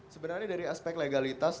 sebenarnya dari aspek legalitas